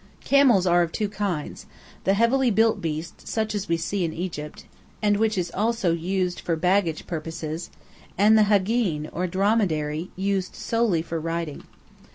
Camels are of two kinds the heavily built beast, such as we see in Egypt, and which is used for baggage purposes, and the "hagīn," or dromedary, used solely for riding.